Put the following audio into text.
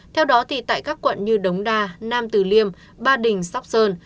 theo đó thì tại các quận như đống đa nam từ liêm ba đình sóc sơn